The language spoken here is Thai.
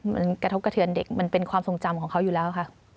มันกระทบกระเทือนเด็กมันเป็นความทรงจำของเขาอยู่แล้วค่ะ